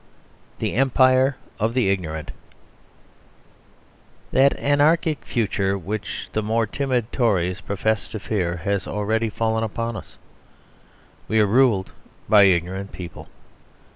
THE EMPIRE OF THE IGNORANT That anarchic future which the more timid Tories professed to fear has already fallen upon us. We are ruled by ignorant people.